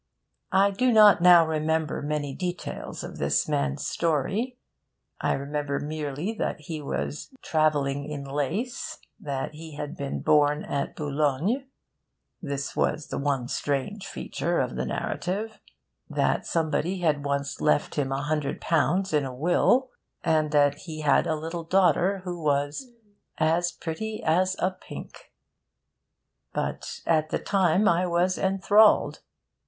I do not now remember many details of this man's story; I remember merely that he was 'travelling in lace,' that he had been born at Boulogne (this was the one strange feature of the narrative), that somebody had once left him L100 in a will, and that he had a little daughter who was 'as pretty as a pink.' But at the time I was enthralled.